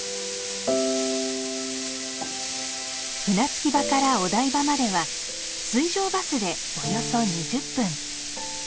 船着き場からお台場までは水上バスで約２０分。